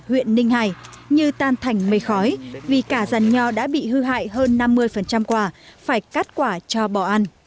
huyện ninh hải như tan thành mây khói vì cả giàn nho đã bị hư hại hơn năm mươi quả phải cắt quả cho bỏ ăn